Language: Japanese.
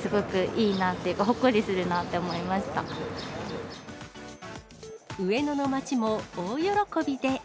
すごくいいなっていうか、上野の街も大喜びで。